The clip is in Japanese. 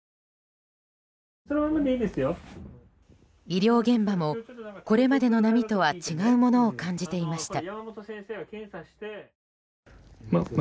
医療現場もこれまでの波とは違うものを感じていました。